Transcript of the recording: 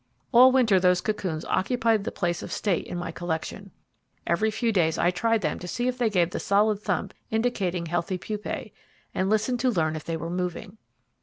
All winter those cocoons occupied the place of state in my collection. Every few days I tried them to see if they gave the solid thump indicating healthy pupae, and listened to learn if they were moving.